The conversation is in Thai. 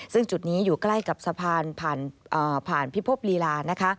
ซึ่งจุดนี้อยู่ใกล้กับสะพานผ่านพิภพลีลานะคะ